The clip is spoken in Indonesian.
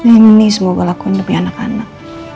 ini semoga lakuin demi anak anak